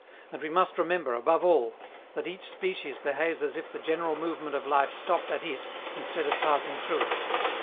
And we must remember, above all, that each species behaves as if the general movement of life stopped at it instead of passing through it.